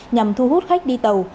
nhằm thu hút khách đi tàu